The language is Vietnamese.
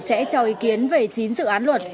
sẽ cho ý kiến về chín dự án luật